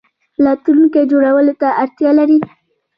راتلونکی جوړولو ته اړتیا لري